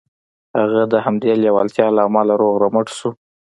هغه د همدې لېوالتیا له امله روغ رمټ شو